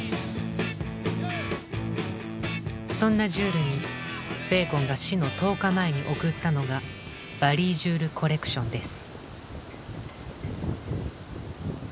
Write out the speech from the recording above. そんなジュールにベーコンが死の１０日前に贈ったのがバリー・ジュール・コレクションです。